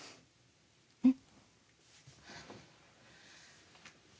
うん。